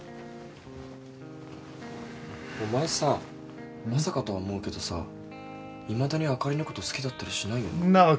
お前さまさかとは思うけどさいまだにあかりのこと好きだったりしないよな？